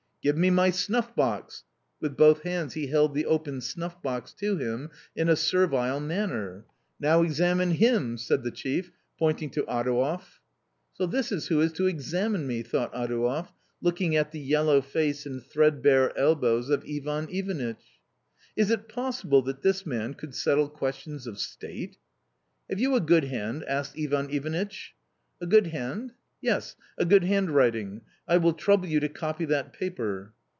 " Give me my snuff box !" With both hands he held the open snuff box to him in a servile manner. " Now examine him 1 " said the chief pointing to Adouev. 11 So this is who is to examine me !" thought Adouev, looking at the yellow face and threadbare elbows of Ivan Ivanitch. "Is it possible that this man could settle questions of State?" " Have you a good hand ?" asked Ivan Ivanitch. " A good hand ?"" Yes, a good handwriting. I will trouble you to copy that paper."